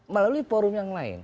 melalui forum yang lain